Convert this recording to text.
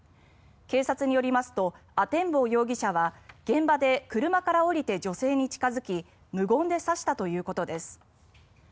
警察によりますと阿天坊容疑者は現場で車から降りて女性に近付き無言で刺したということです。